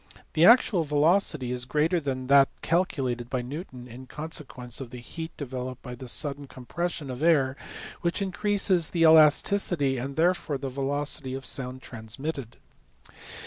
The actual velocity is greater than that calculated by Newton in consequence of the heat developed by the sudden compression of the air which increases the elasticity and therefore the velocity of the sound transmitted.